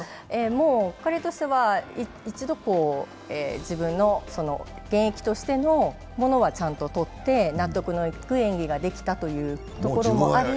もう彼としては、一度、自分の現役としてのものはちゃんと取って納得のいく演技ができたというところもあり。